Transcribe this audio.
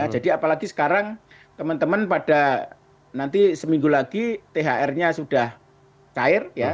jadi apalagi sekarang teman teman pada nanti seminggu lagi thr nya sudah cair